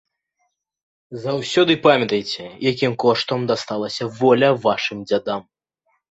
Заўсёды памятайце, якім коштам дасталася воля вашым дзядам!